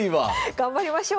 頑張りましょう。